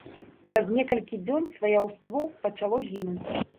Праз некалькі дзён сваяўство пачало гінуць.